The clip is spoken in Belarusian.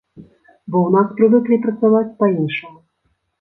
Бо ў нас прывыклі працаваць па-іншаму.